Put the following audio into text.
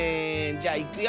じゃいくよ。